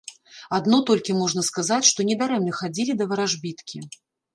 Адно толькі можна сказаць, што недарэмна хадзілі да варажбіткі.